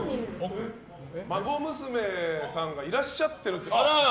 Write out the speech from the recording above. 孫娘さんがいらっしゃってると。